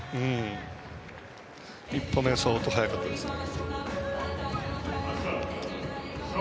１歩目が相当速かったですね。